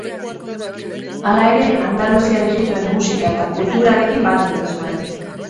Hala ere, andaluziar ijitoen musika eta kulturarekin bat egin zuen.